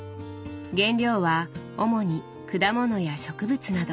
原料は主に果物や植物など。